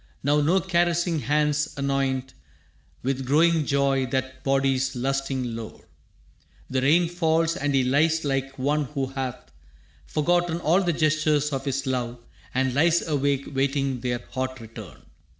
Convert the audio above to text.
Now no caressing hands anoint With growing joy that body's lusting lore. The rain falls, and he lies like one who hath Forgotten all the gestures of his love And lies awake waiting their hot return.